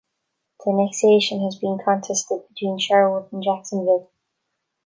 The annexation had been contested between Sherwood and Jacksonville.